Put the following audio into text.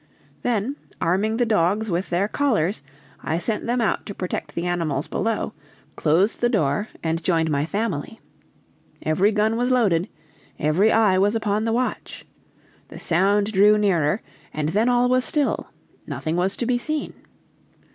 Then arming the dogs with their collars, I sent them out to protect the animals below, closed the door, and joined my family. Every gun was loaded, every eye was upon the watch. The sound drew nearer, and then all was still; nothing was to be seen.